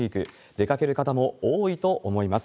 出かける方も多いと思います。